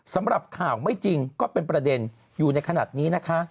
สำหรับข่าวไม่จริงก็เป็นประเด็นอยู่ในขณะนี้นะคะ